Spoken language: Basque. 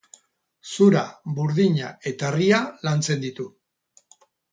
Zura, burdina eta harria lantzen ditu.